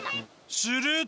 すると！